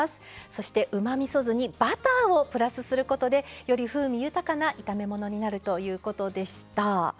そしてうまみそ酢にバターをプラスすることでより風味豊かな炒め物になるということでした。